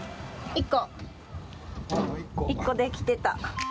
１個出来てた。